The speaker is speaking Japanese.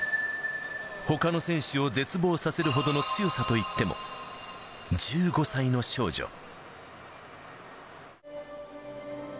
ほかの選手を絶望させるほどの強さといっても、１５歳の少女。